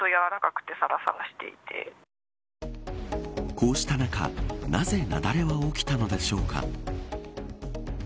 こうした中なぜ雪崩は起きたのでしょうか。